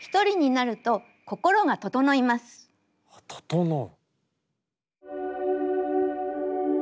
整う。